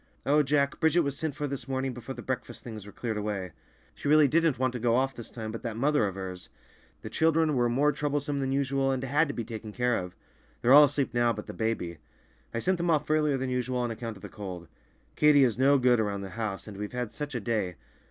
Oh, Jack, Bridget was sent for this morning before the breakfast things were cleared away. She really didn't want to go off this time, but that mother of hers—! The children were more troublesome than usual, and had to be taken care of. They're all asleep now but the baby. I sent them off earlier than usual on account of the cold. Katy is no good around the house, and we've had such a day!